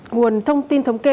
nguồn thông tin thống kê